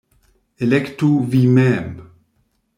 Elektu vi mem!